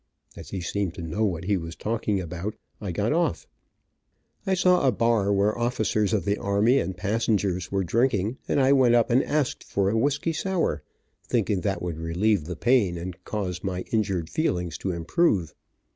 As he seemed to know what he was talking about I got on. I saw a bar, where officers of the army and passengers were drinking, and I went up and asked for a whisky sour, thinking that would relieve the pain and cause my injured feelings to improve.